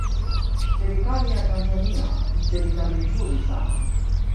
serikali ya tanzania ni serikali nzuri sana